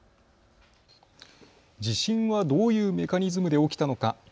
地震はどういうメカニズムで起きたのか。